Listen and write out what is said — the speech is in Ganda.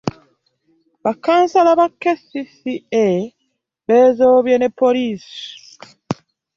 Ba kansala ba KCCA bezoobye ne poliisi.